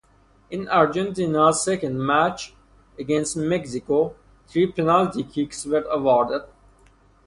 In Argentina's second match, against Mexico, three penalty kicks were awarded.